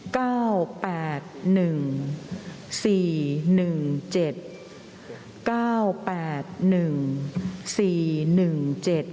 เก้าแปดหนึ่งสี่หนึ่งเจ็ดเก้าแปดหนึ่งสี่หนึ่งเจ็ด